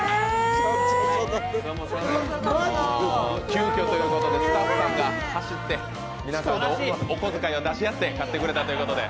急きょということで、スタッフが走って皆さんでお小遣いを出し合って買ってくれたということで。